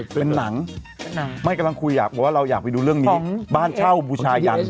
เป็นหนังไม่กำลังคุยอ่ะบอกว่าเราอยากไปดูเรื่องนี้บ้านเช่าบูชายัน